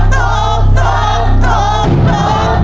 โต๊ะโต๊ะโต๊ะ